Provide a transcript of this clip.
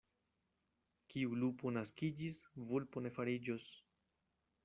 Kiu lupo naskiĝis, vulpo ne fariĝos.